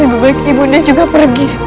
lebih baik ibu undang juga pergi